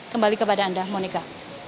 kembali kepada anda monika